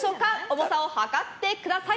重さを量ってください。